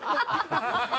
ハハハハ！